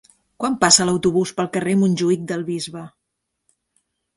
Quan passa l'autobús pel carrer Montjuïc del Bisbe?